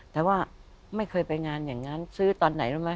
แต่ว่าไม่เคยไปงานอย่างนั้นซื้อตอนไหนรู้ไหม